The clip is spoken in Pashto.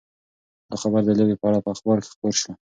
دا خبر د لوبې په اړه په اخبار کې خپور شو.